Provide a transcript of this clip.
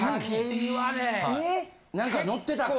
・何か乗ってたっけ？